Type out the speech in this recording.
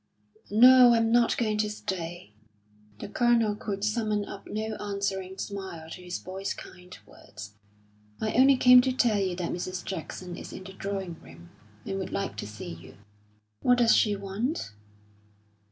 "No, I'm not going to stay." The Colonel could summon up no answering smile to his boy's kind words. "I only came to tell you that Mrs. Jackson is in the drawing room, and would like to see you." "What does she want?"